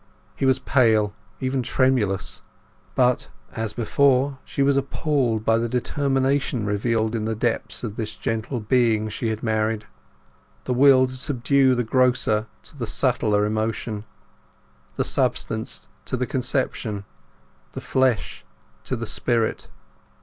He was pale, even tremulous; but, as before, she was appalled by the determination revealed in the depths of this gentle being she had married—the will to subdue the grosser to the subtler emotion, the substance to the conception, the flesh to the spirit.